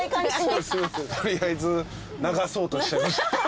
取りあえず流そうとしちゃいました。